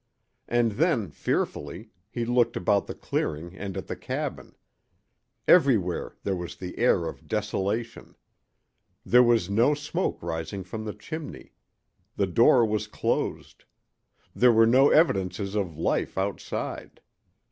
And then, fearfully, he looked about the clearing and at the cabin. Everywhere there was the air of desolation. There was no smoke rising from the chimney. The door was closed. There were no evidences of life outside.